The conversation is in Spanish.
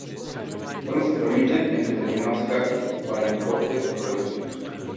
Sólo se permiten en determinados casos y para importes reducidos.